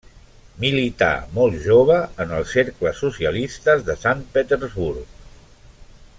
Milità molt jove en els cercles socialistes de Sant Petersburg.